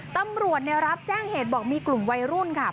ตำรวจรับแจ้งเหตุบอกมีกลุ่มวัยรุ่นค่ะ